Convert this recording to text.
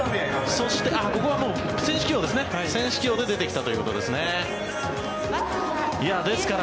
そしてここはもう選手起用ですね選手起用で出てきたということですね。